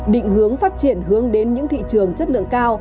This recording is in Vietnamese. định hướng phát triển hướng đến những thị trường chất lượng cao